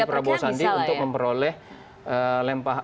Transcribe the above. prabowo sandi untuk memperoleh